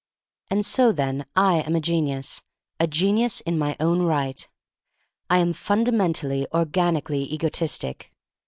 And so, then, I am a genius — a genius in my own right. I am fundamentally, organically egotistic.